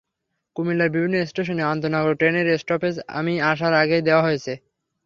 কুমিল্লার বিভিন্ন স্টেশনে আন্তনগর ট্রেনের স্টপেজ আমি আসার আগেই দেওয়া হয়েছে।